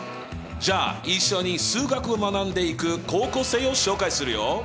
じゃあ一緒に数学を学んでいく高校生を紹介するよ。